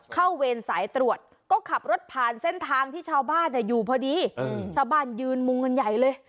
เวรสายตรวจก็ขับรถผ่านเส้นทางที่ชาวบ้านอยู่พอดีชาวบ้านยืนมุงกันใหญ่เลย